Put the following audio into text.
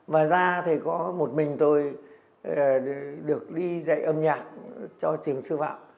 và ra thì có một mình tôi được đi dạy âm nhạc cho trường sư phạm